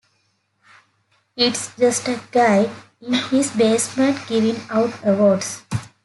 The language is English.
It's just a guy in his basement giving out awards.